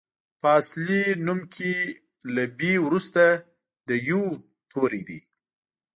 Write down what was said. په اصلي نوم کې له بي وروسته د يوو توری دی.